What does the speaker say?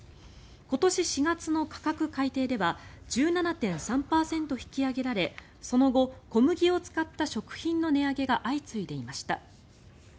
今年４月の価格改定では１７．３％引き上げられその後、小麦を使った食品の値上げが相次いでいました。